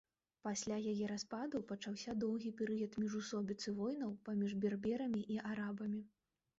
Пасля яе распаду пачаўся доўгі перыяд міжусобіц і войнаў паміж берберамі і арабамі.